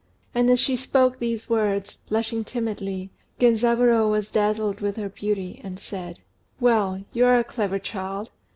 And as she spoke these words, blushing timidly, Genzaburô was dazzled with her beauty, and said "Well, you're a clever child.